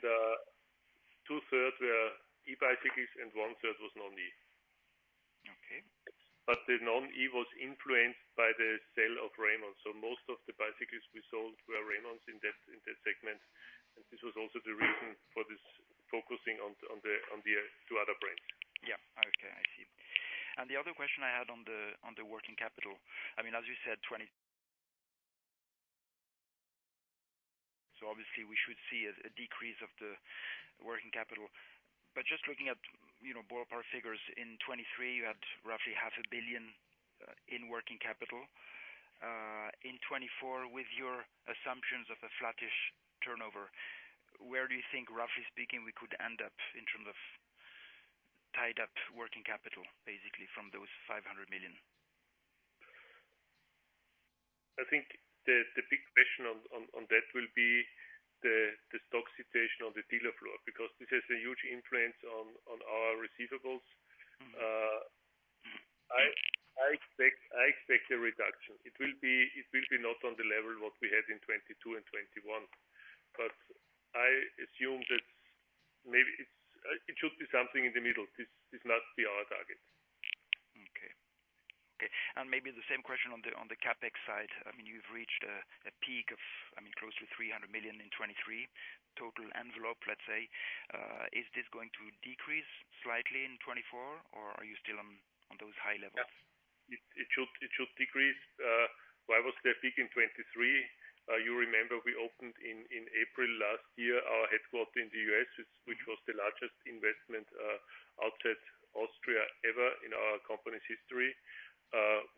Two thirds were e-bicycles and one third was non-e. Okay. The non-e was influenced by the sale of Raymon. Most of the bicycles we sold were Raymons in that segment. This was also the reason for this focusing on the two other brands. Yeah. Okay. I see. The other question I had on the working capital, I mean, as you said, obviously we should see a decrease of the working capital. Just looking at, you know, ballpark figures, in 2023 you had roughly 0.5 Billion in working capital. In 2024 with your assumptions of a flattish turnover, where do you think, roughly speaking, we could end up in terms of tied up working capital, basically from those 500 million? I think the big question on that will be the stock situation on the dealer floor, because this has a huge influence on our receivables. Mm-hmm. I expect a reduction. It will be not on the level what we had in 2022 and 2021, but I assume that maybe it's, it should be something in the middle. This is not our target. Maybe the same question on the CapEx side. I mean, you've reached a peak of, I mean, close to 300 million in 2023 total envelope, let's say. Is this going to decrease slightly in 2024 or are you still on those high levels? It should decrease. Why was there a peak in 2023? You remember we opened in April last year, our headquarters in the U.S., which was the largest investment outside Austria ever in our company's history.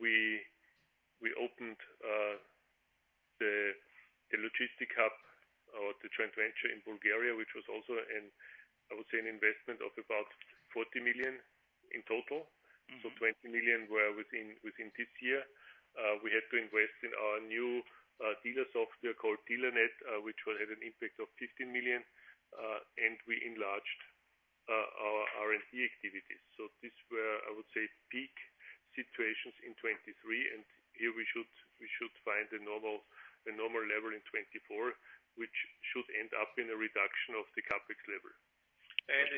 We opened the logistics hub or the joint venture in Bulgaria, which was also an investment of about 40 million in total. 20 million were within this year. We had to invest in our new dealer software called Dealer.Net, which will have an impact of 15 million. We enlarged our R&D activities. These were peak situations in 2023, and here we should find a normal level in 2024, which should end up in a reduction of the CapEx level.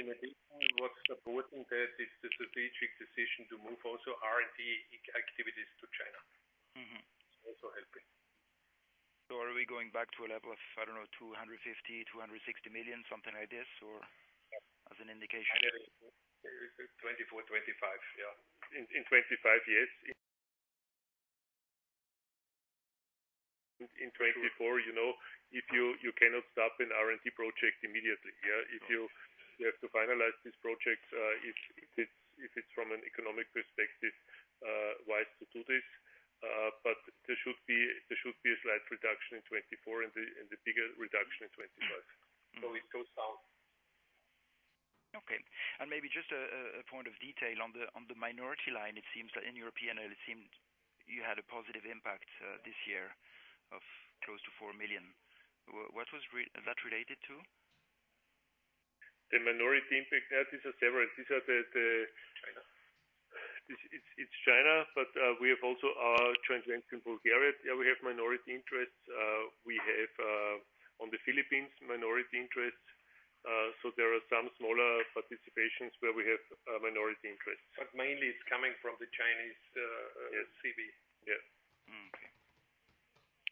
In addition, what's supporting that is the strategic decision to move also R&D activities to China. It's also helping. Are we going back to a level of, I don't know, 250 million, 260 million, something like this, or as an indication? 2024, 2025, yeah. In 2025, yes. In 2024, you cannot stop an R&D project immediately, yeah. You have to finalize these projects, if it's from an economic perspective wise to do this. There should be a slight reduction in 2024 and the bigger reduction in 2025. It goes down. Okay. Maybe just a point of detail. On the minority line, it seems that in Europe it seemed you had a positive impact this year of close to 4 million. What was that related to? The minority impact. These are several. China. It's China, but we have also our joint venture in Bulgaria. Yeah, we have minority interests. We have on the Philippines, minority interests. So there are some smaller participations where we have minority interests. But mainly it's coming from the Chinese. Yes. CFMOTO. Yeah. Okay.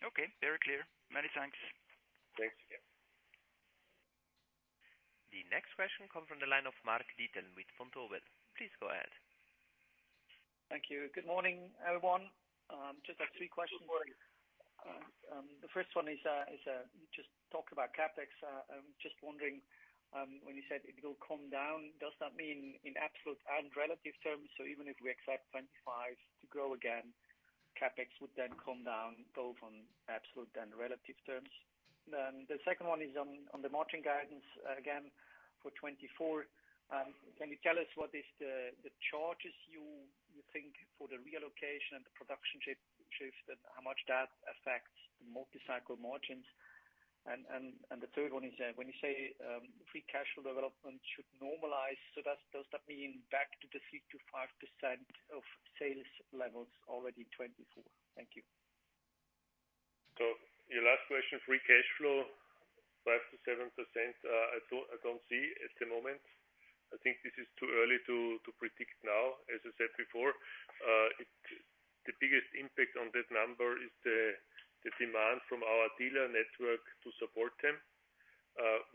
Okay, very clear. Many thanks. Thanks. Yeah. The next question comes from the line of Marc Dittel with Vontobel. Please go ahead. Thank you. Good morning, everyone. I just have three questions. Good morning. The first one is you just talked about CapEx. I'm just wondering when you said it will come down, does that mean in absolute and relative terms? So even if we expect 2025 to grow again, CapEx would then come down both on absolute and relative terms. Then the second one is on the margin guidance again for 2024. Can you tell us what is the charges you think for the reallocation and the production shift and how much that affects the motorcycle margins? And the third one is when you say free cash flow development should normalize, so does that mean back to the 3%-5% of sales levels already 2024? Thank you. Your last question, free cash flow, 5%-7%. I don't see at the moment. I think this is too early to predict now. As I said before, the biggest impact on that number is the demand from our dealer network to support them.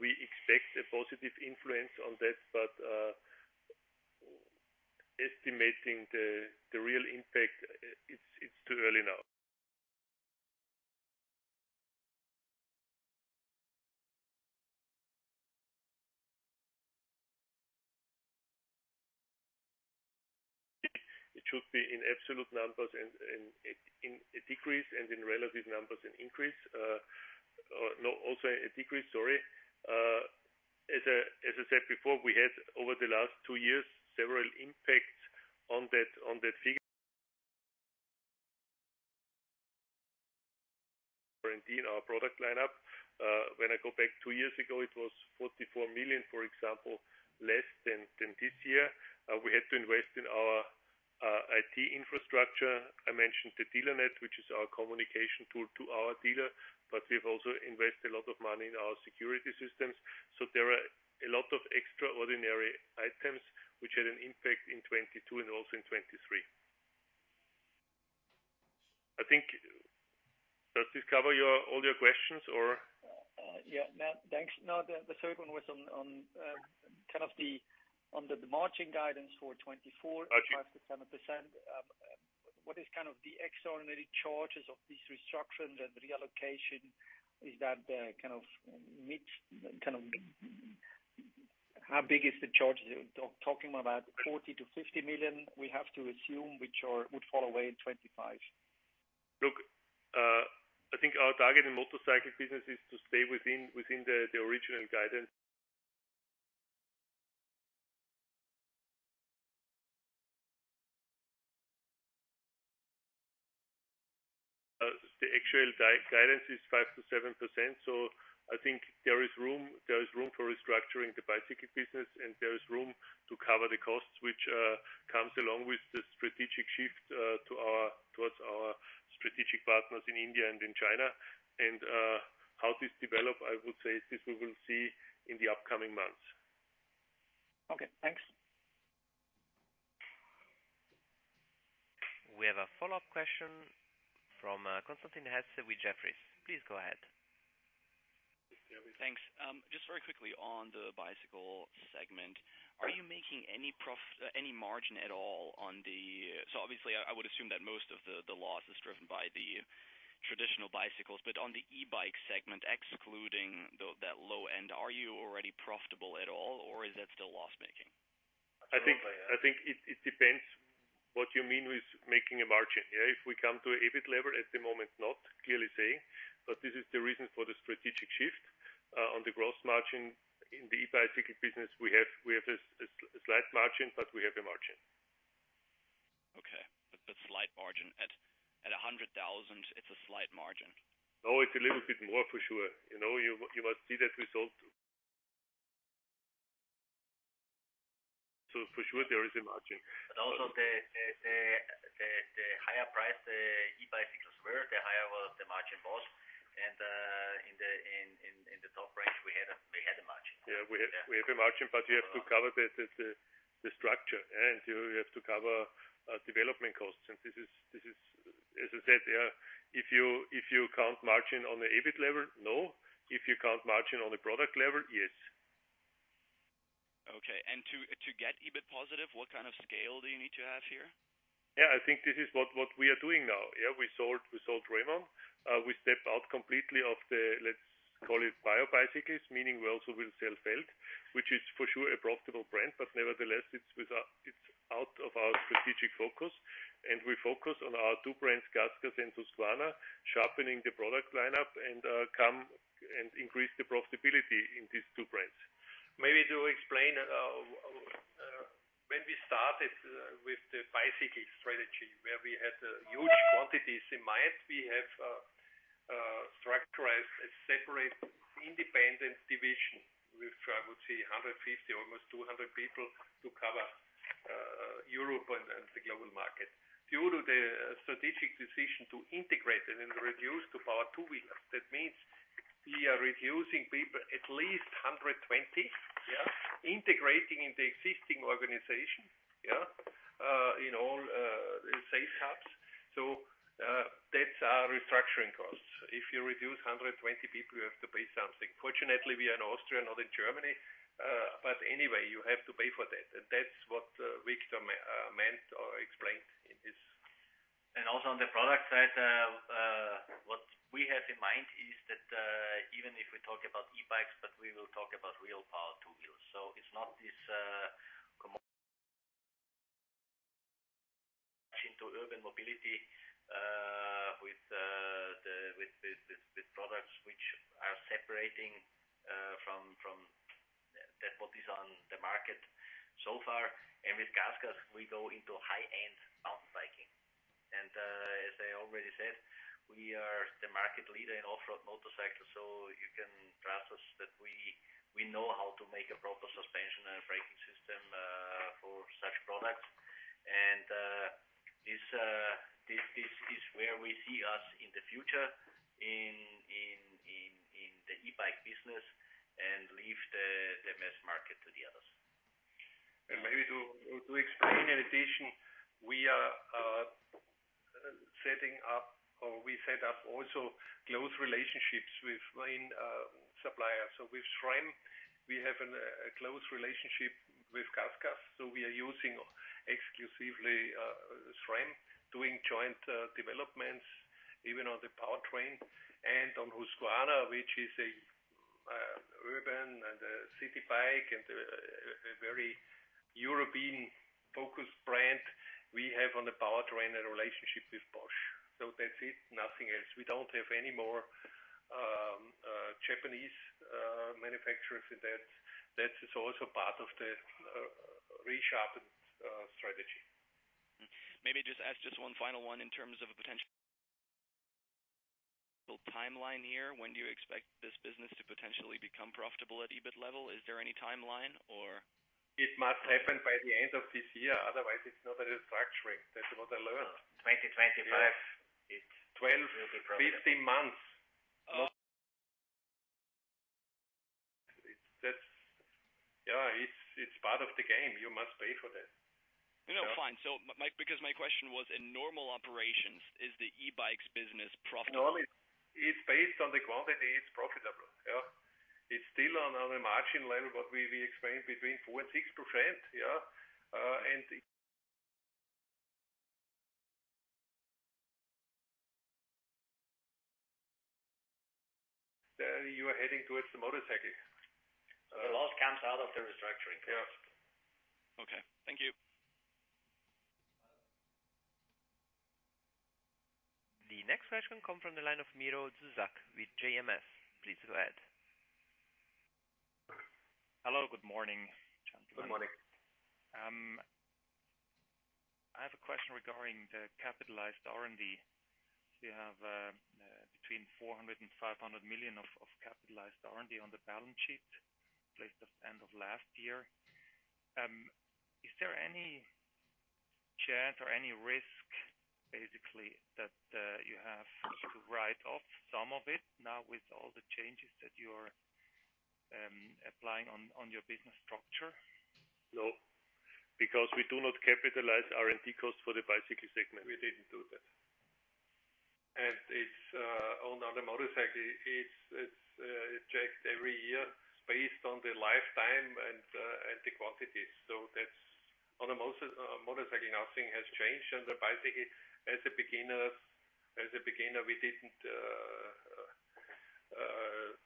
We expect a positive influence on that, but estimating the real impact, it's too early now. It should be in absolute numbers and in a decrease, and in relative numbers an increase. No, also a decrease, sorry. As I said before, we had over the last two years, several impacts on that figure in our product lineup. When I go back two years ago, it was 44 million, for example, less than this year. We had to invest in our IT infrastructure. I mentioned the Dealer.Net, which is our communication tool to our dealer, but we've also invested a lot of money in our security systems. There are a lot of extraordinary items which had an impact in 2022 and also in 2023. I think. Does this cover all your questions or? Yeah. No, thanks. No, the third one was on the margin guidance for 2024. Okay. 5%-7%. What is kind of the extraordinary charges of this restructuring and reallocation? Is that kind of how big is the charges? You're talking about 40 million-50 million, we have to assume, which would fall away in 2025. Look, I think our target in motorcycle business is to stay within the original guidance. The actual guidance is 5%-7%. I think there is room for restructuring the bicycle business, and there is room to cover the costs, which comes along with the strategic shift towards our strategic partners in India and in China. How this develop, I would say this we will see in the upcoming months. Okay, thanks. We have a follow-up question from Constantin Hesse with Jefferies. Please go ahead. Thanks. Just very quickly on the bicycle segment, are you making any margin at all? Obviously I would assume that most of the loss is driven by the traditional bicycles, but on the e-bike segment, excluding that low end, are you already profitable at all or is that still loss-making? I think it depends what you mean with making a margin. Yeah, if we come to EBIT level at the moment, not clearly say, but this is the reason for the strategic shift on the gross margin. In the e-bicycle business, we have a slight margin, but we have a margin. Okay. The slight margin at 100,000, it's a slight margin. No, it's a little bit more for sure. You know, you must see that result. For sure there is a margin. Also the higher price the e-bicycles were, the higher the margin was. In the top range, we had a margin. Yeah, we have a margin, but you have to cover the structure, and you have to cover development costs. This is, as I said, yeah, if you count margin on the EBIT level, no. If you count margin on the product level, yes. Okay. To get EBIT positive, what kind of scale do you need to have here? I think this is what we are doing now. We sold Raymon. We stepped out completely of the, let's call it e-bicycles, meaning we also will sell Felt, which is for sure a profitable brand, but nevertheless, it's out of our strategic focus, and we focus on our two brands, GasGas and Husqvarna, sharpening the product lineup and come and increase the profitability in these two brands. Maybe to explain, when we started with the bicycle strategy, where we had huge quantities in mind, we have structured a separate independent division with I would say 150, almost 200 people to cover Europe and the global market. Due to the strategic decision to integrate and then reduce to powered two-wheelers, that means we are reducing people at least 120. Yeah. Integrating in the existing organization in all sales hubs. That's our restructuring costs. If you reduce 120 people, you have to pay something. Fortunately, we are in Austria, not in Germany. Anyway, you have to pay for that. That's what Viktor meant or explained in his... Also on the product side, what we have in mind is that, even if we talk about e-bikes, but we will talk about real Power Two Wheels. It's not this coming into urban mobility with the products which are separating from what is on the market so far. With GasGas, we go into high-end mountain biking. As I already said, we are the market leader in off-road motorcycles, so you can trust us that we know how to make a proper suspension and braking system for such products. This is where we see us in the future in the e-bike business and leave the mass market to the others. Maybe to explain in addition, we are setting up or we set up also close relationships with main suppliers. With SRAM, we have a close relationship with GasGas, so we are using exclusively SRAM, doing joint developments even on the powertrain. On Husqvarna, which is a urban and a city bike and a very European-focused brand, we have on the powertrain a relationship with Bosch. That's it. Nothing else. We don't have any more Japanese manufacturers, and that is also part of the resharpened strategy. Maybe just ask one final one in terms of a potential timeline here. When do you expect this business to potentially become profitable at EBIT level? Is there any timeline or? It must happen by the end of this year, otherwise it's not a restructuring. That's what I learned. 2025. 12 months-15 months. That's. Yeah, it's part of the game. You must pay for that. No, fine. Because my question was, in normal operations, is the e-bikes business profitable? Normally, it's based on the quantity, it's profitable. Yeah. It's still on a margin level, what we explained between 4% and 6%, yeah. You are heading towards the motorcycle. The loss comes out of the restructuring cost. Yeah. Okay. Thank you. The next question comes from the line of Miro Zuzak with JMS. Please go ahead. Hello, good morning, gentlemen. Good morning. I have a question regarding the capitalized R&D. You have between 400 million and 500 million of capitalized R&D on the balance sheet at the end of last year. Is there any chance or any risk basically that you have to write off some of it now with all the changes that you're applying on your business structure? No, because we do not capitalize R&D costs for the bicycle segment. We didn't do that. It's on other motorcycle, it's checked every year based on the lifetime and the quantities. That's on the motorcycle, nothing has changed. The bicycle, as a beginner, we didn't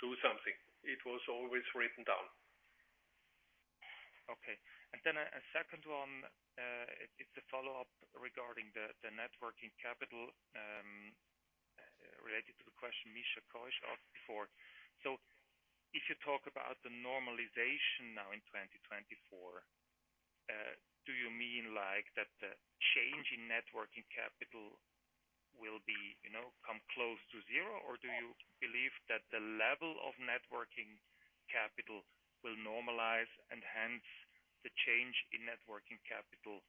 do something. It was always written down. Okay. A second one is a follow-up regarding the net working capital, related to the question Michael Kois asked before. If you talk about the normalization now in 2024, do you mean like that the change in net working capital will be, you know, come close to zero? Or do you believe that the level of net working capital will normalize and hence the change in net working capital,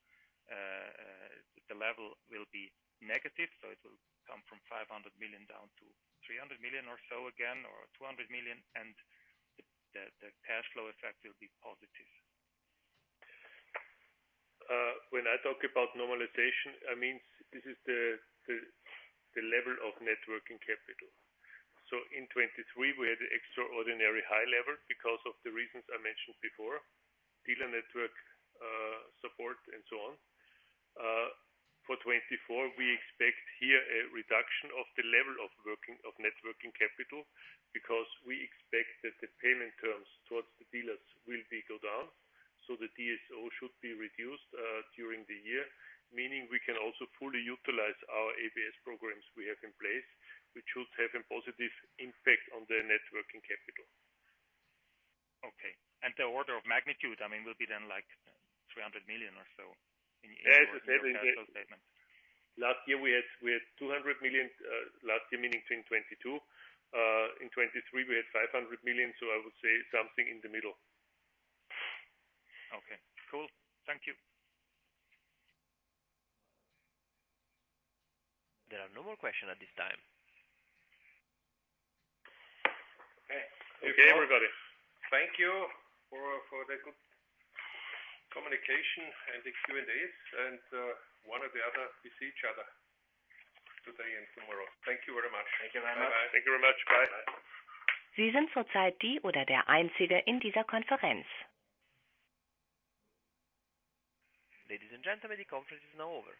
the level will be negative, so it will come from 500 million down to 300 million or so again, or 200 million, and the cash flow effect will be positive? When I talk about normalization, I mean, this is the level of net working capital. In 2023, we had extraordinary high level because of the reasons I mentioned before, dealer network, support and so on. For 2024, we expect here a reduction of the level of net working capital because we expect that the payment terms towards the dealers will go down. The DSO should be reduced during the year, meaning we can also fully utilize our ABS programs we have in place, which should have a positive impact on the net working capital. Okay. The order of magnitude, I mean, will be then like 300 million or so in your cash flow statement. Last year we had 200 million, last year, meaning in 2022. In 2023, we had 500 million. I would say something in the middle. Okay, cool. Thank you. There are no more questions at this time. Okay, everybody. Thank you for the good communication and the Q&As. One or the other, we see each other today and tomorrow. Thank you very much. Thank you very much. Bye. Thank you very much. Bye. Ladies and gentlemen, the conference is now over.